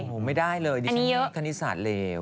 โอ้โหไม่ได้เลยดิฉันคณิตศาสตร์เลว